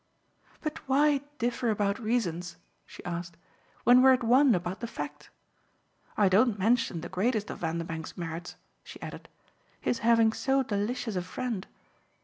But why differ about reasons," she asked, "when we're at one about the fact? I don't mention the greatest of Vanderbank's merits," she added "his having so delicious a friend.